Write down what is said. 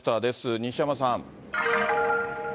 西山さん。